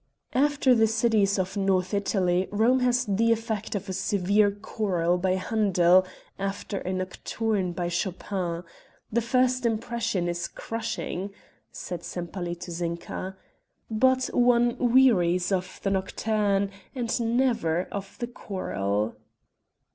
"After the cities of North Italy Rome has the effect of a severe choral by Handel after a nocturne by Chopin. The first impression is crushing," said Sempaly to Zinka; "but one wearies of the nocturne, and never of the choral."